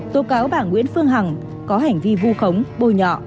tố cáo bảng nguyễn phương hằng có hành vi vu khống bồi nhọ